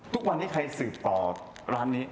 ทุกวันนี้ใครสืบต่อร้านนี้